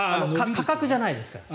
価格じゃないですから。